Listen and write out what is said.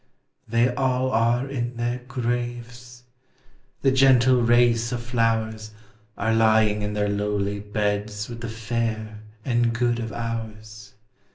they all are in their graves ; the gentle race of flowers Are lying in their lowly beds with the fair and good of ours.